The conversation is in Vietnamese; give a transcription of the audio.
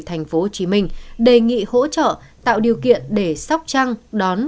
thành phố hồ chí minh đề nghị hỗ trợ tạo điều kiện để sóc trăng đón